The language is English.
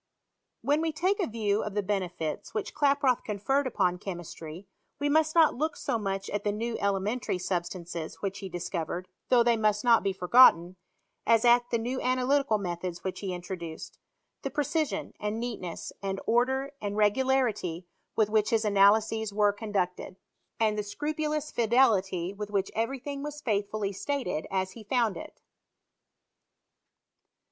When we take a view of the benefits which Kla proth conferred upon chemistry, we must not look so much at the new elementary substances which he discovered, though they must not be forgotten, as at the new analytical methods which he intro duced, the precision, and neatness, and order, and regularity with which his analyses were conducted. PROGRESS OF ANALYTICAL CHEMISTRY. 199 and the scrupulous fidelity with which every thing was faithfully stated as he found it.